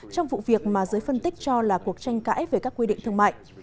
trong vụ việc mà giới phân tích cho là cuộc tranh cãi về các quy định thương mại